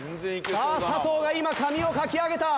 さあ佐藤が今髪をかき上げた。